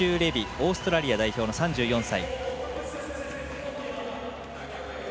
オーストラリア代表の３４歳。